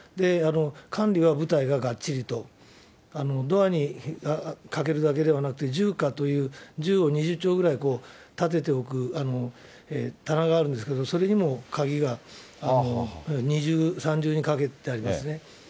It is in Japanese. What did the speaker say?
管理は部隊ががっちりと、ドアにかけるだけではなくて、じゅうかという銃を２０丁ぐらい立てておく棚があるんですけれども、それにも鍵が二重、三重にかけてありますね。